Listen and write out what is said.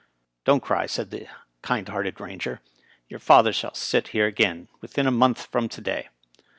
" Don't cry," said the kind hearted Eainger. " Your father shall sit here again within a month from to day.